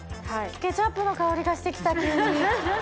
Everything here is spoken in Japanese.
ケチャップの香りがして来た急に！